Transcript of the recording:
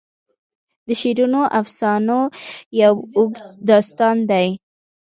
د شیرینو افسانو یو اوږد داستان دی.